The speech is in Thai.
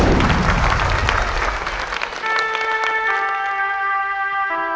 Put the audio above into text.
ลูกเนี่ยพะพักโชคหรือไรมีรักครั้งใดหัวใจเหมือนไฟร้อน